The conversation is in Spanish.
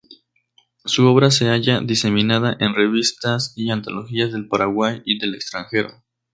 Su obra se halla diseminada en revistas y antologías del Paraguay y del extranjero.